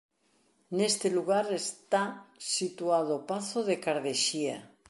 Neste lugar está situado o pazo de Cardexía.